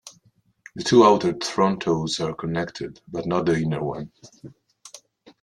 The two outer front toes are connected, but not the inner one.